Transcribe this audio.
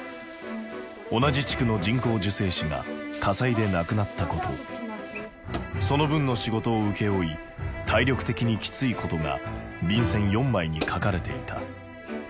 同じ地区の人工授精師が火災で亡くなったことその分の仕事を請け負い体力的にきついことが便せん４枚に書かれていた。